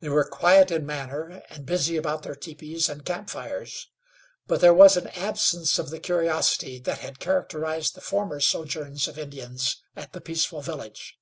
They were quiet in manner, and busy about their teepees and camp fires, but there was an absence of the curiosity that had characterized the former sojourns of Indians at the peaceful village.